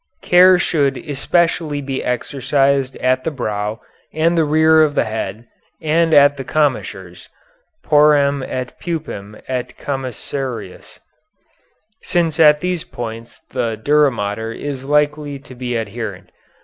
Care should especially be exercised at the brow and the rear of the head and at the commissures (proram et pupim et commissuras), since at these points the dura mater is likely to be adherent.